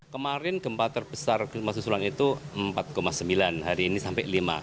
kemarin gempa terbesar gempa susulan itu empat sembilan hari ini sampai lima